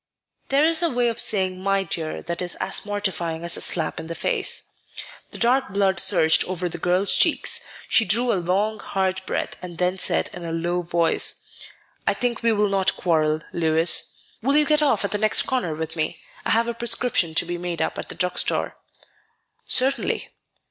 There is a way of saying "my dear" that is as mortifying as a slap in the face. The dark blood surged over the girl's cheeks. She drew a long, hard breath, and then said in a low voice, "I think we will not quarrel, Louis. Will you get off at the next corner with me? I have a prescription to be made up at the drug store." "Certainly."